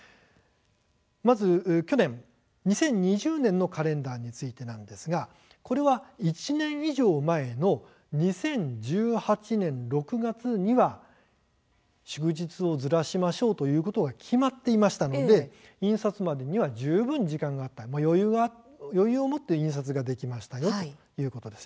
まず去年２０２０年のカレンダーについてですがこれは１年以上前の２０１８年６月には祝日をずらしましょうということが決まっていましたので印刷までには十分時間があった余裕を持って印刷ができましたということです。